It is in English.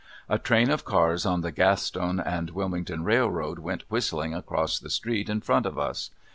A train of cars on the Gaston & Wilmington Railroad went whistling across the street in front of us.